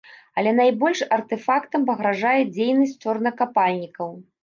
Але найбольш артэфактам пагражае дзейнасць чорнакапальнікаў.